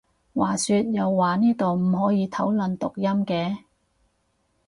話說又話呢度唔可以討論讀音嘅？